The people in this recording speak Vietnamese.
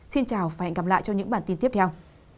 xin chào và hẹn gặp lại trong những bản tin tiếp theo